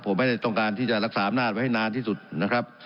ผมไม่ได้ต้องการที่จะรักษาอำนาจไว้ให้นานที่สุดนะครับ